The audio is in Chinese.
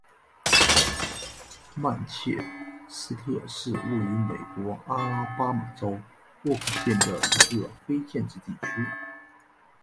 曼彻斯特是位于美国阿拉巴马州沃克县的一个非建制地区。